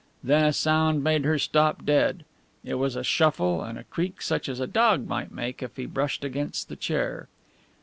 Then a sound made her stop dead. It was a shuffle and a creak such as a dog might make if he brushed against the chair.